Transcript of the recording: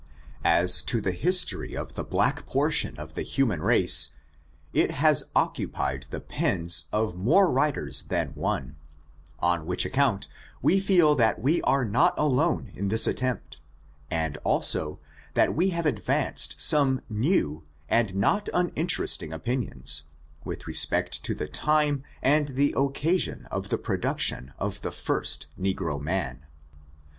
As to the history of the black portion of the human race it has occupied the pens of more writers than one ; on which account we feel that we are not alone in this attempt, and, also, that we have advanced some new^ and not uninterestingf 'J n PREK'ACE. opioioQS, with respect to the time and the occasion of the production of the first negro man.